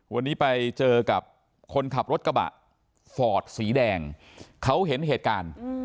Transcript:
วันนี้ไปเจอกับคนขับรถกระบะฟอร์ดสีแดงเขาเห็นเหตุการณ์